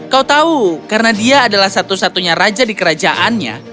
kau tahu karena dia adalah satu satunya raja di kerajaannya